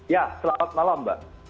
ya selamat malam mbak